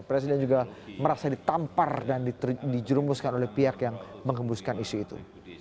presiden juga merasa ditampar dan dijerumuskan oleh pihak yang mengembuskan isu itu